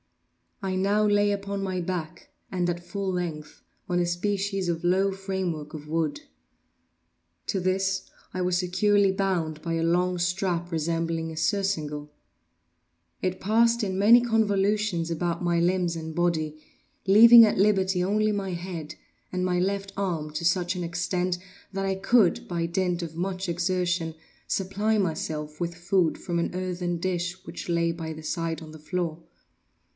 I now lay upon my back, and at full length, on a species of low framework of wood. To this I was securely bound by a long strap resembling a surcingle. It passed in many convolutions about my limbs and body, leaving at liberty only my head, and my left arm to such extent that I could, by dint of much exertion, supply myself with food from an earthen dish which lay by my side on the floor.